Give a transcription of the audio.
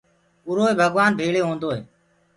اُروئي ڀگوآن ڀيݪي هوندوئي